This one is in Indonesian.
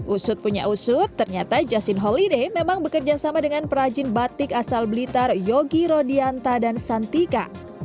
usut punya usut ternyata justin holiday memang bekerja sama dengan perajin batik asal blitar yogi rodianta dan santika